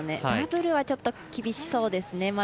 ダブルはちょっと厳しそうですね。